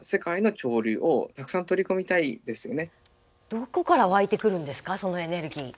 どこから湧いてくるんですかそのエネルギー。